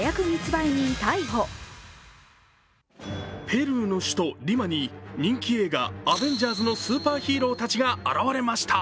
ペルーの首都リマに人気映画「アベンジャーズ」のスーパーヒーローたちが現れました。